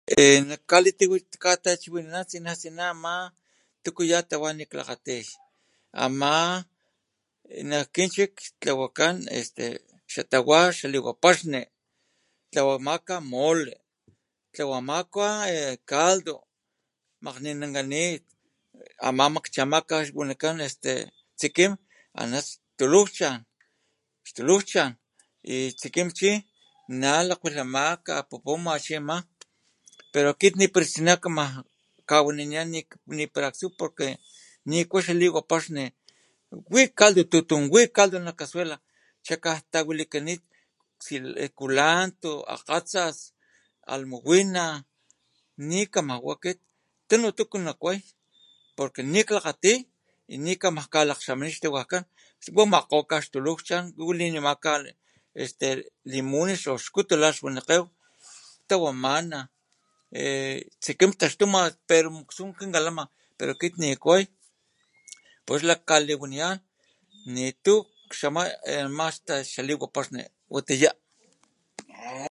Ehh nak kalitachiwinanaw la ama tukuya tawa niklakgatilh ama nak kinchik tlawakan este xatawa mole tlawamaka caldo makgninakanit ana makchamaka xachan stulunchaw uyu tsikin chi nalakatamaka chi pero akit nipar stena kulanto akgatsas almiwina nikama wa akittunu tuku nakway pornque nikama akit wakgoma xtulujchaw walinimajka este wax likapuwaniyan nitu kxamay xaliwa paxni